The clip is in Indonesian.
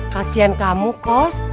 kasian kamu kos